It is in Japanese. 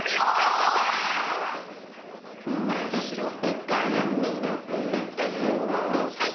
「まっしろいかみのうえをハイ！」